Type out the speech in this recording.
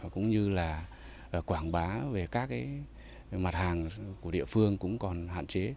cũng như là quảng bá về các mặt hàng của địa phương cũng còn hạn chế